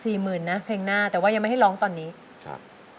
หมื่นนะเพลงหน้าแต่ว่ายังไม่ให้ร้องตอนนี้ครับ